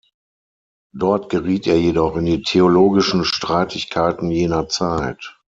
Dort geriet er jedoch in die theologischen Streitigkeiten jener Zeit.